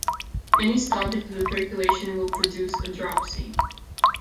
Any stoppage of the circulation will produce a dropsy.